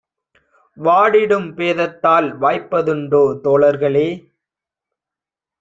வாடிடும் பேதத்தால் வாய்ப்பதுண்டோ தோழர்களே!